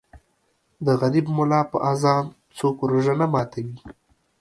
د غریب مولا په اذان څوک روژه نه ماتوي